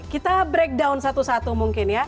kita breakdown satu satu mungkin ya